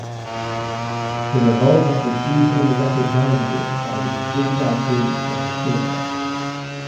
The revolver is easily recognisable by the zig-zag grooves on the cylinder.